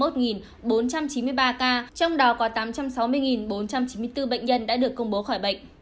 trong đó có tám trăm sáu mươi bốn trăm chín mươi bốn bệnh nhân đã được công bố khỏi bệnh